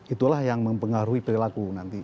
itulah yang mempengaruhi perilaku nanti